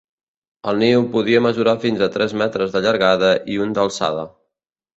El niu podia mesurar fins a tres metres de llargada i un d'alçada.